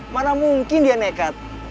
mana mungkin dia nekat